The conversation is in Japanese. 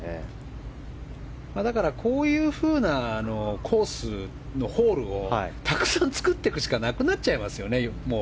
だからこういうふうなコースのホールをたくさん作っていくしかなくなっちゃいますよね。